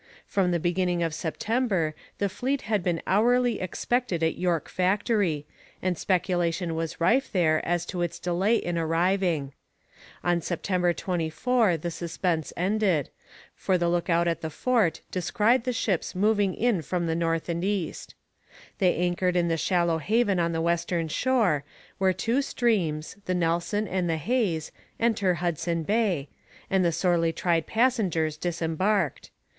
From the beginning of September the fleet had been hourly expected at York Factory, and speculation was rife there as to its delay in arriving. On September 24 the suspense ended, for the look out at the fort descried the ships moving in from the north and east. They anchored in the shallow haven on the western shore, where two streams, the Nelson and the Hayes, enter Hudson Bay, and the sorely tried passengers disembarked.